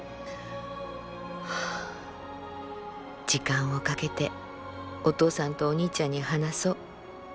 「時間をかけてお父さんとお兄ちゃんに話そう。